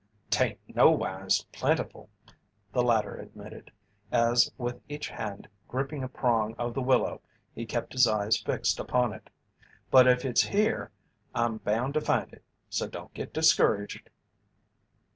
"'Tain't nowise plentiful," the latter admitted, as with each hand gripping a prong of the willow he kept his eyes fixed upon it. "But if it's here I'm bound to find it, so don't get discouraged."